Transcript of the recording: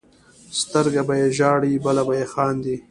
سترګه به یې ژاړي بله به یې خاندي.